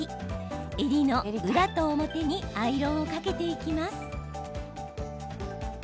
襟の裏と表にアイロンをかけていきます。